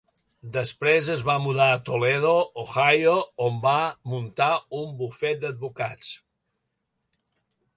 Després es va mudar a Toledo, Ohio, on va muntar un bufet d'advocats.